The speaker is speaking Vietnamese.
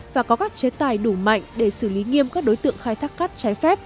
và có các chế tài đủ mạnh để xử lý nghiêm các đối tượng khai thác cát trái phép